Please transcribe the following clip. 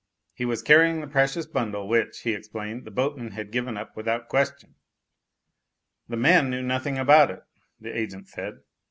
He was carrying the precious bundle, which, he explained, the boatman had given up without question. "The man knew nothing about it," the agent said.